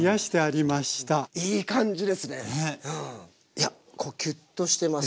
いやキュッとしてます。